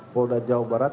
polda jawa barat